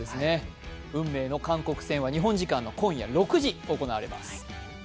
運命の韓国戦は日本時間の今夜６時です。